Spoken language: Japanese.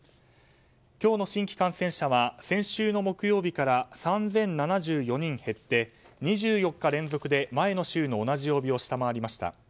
今日の新規感染者は先週の木曜日から３０７４人減って２４日連続で前の週の同じ曜日を下回りました。